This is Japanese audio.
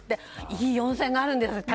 いい温泉があるんです。